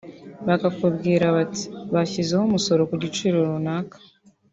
bakakubwira bati bashyizeho umusoro ku giciro runaka